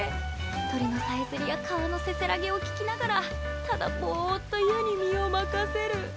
鳥のさえずりや川のせせらぎを聞きながらただボーッと湯に身を任せる。